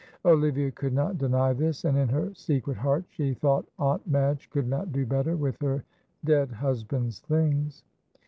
Olivia could not deny this, and in her secret heart she thought Aunt Madge could not do better with her dead husband's things.